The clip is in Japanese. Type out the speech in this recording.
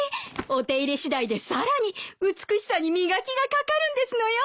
お手入れ次第でさらに美しさに磨きがかかるんですのよ。